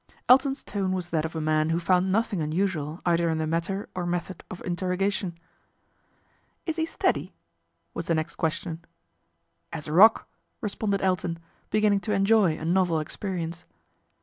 Elton's tone was that of a man who found nothing unusual either in the matter or method of interrogation. " Is he steady ?" was the next question. " As a rock," responded Elton, beginning to enjoy a novel experience.